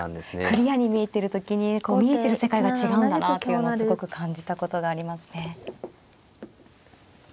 クリアに見えてる時に見えてる世界が違うんだなというのをすごく感じたことがありますね。